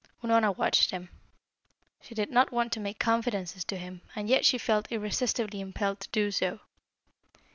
Unorna watched him. She did not want to make confidences to him, and yet she felt irresistibly impelled to do so.